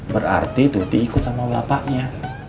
berarti tuti ikut sama bapaknya